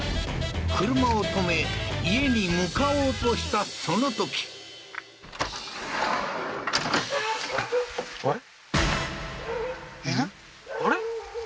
車を止め家に向かおうとしたそのときあれ？